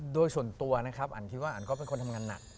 โดยส่วนตัวนะครับอันคิดว่าอันก็เป็นคนทำงานหนัก